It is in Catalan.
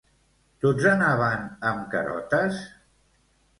Tots anaven amb carotes?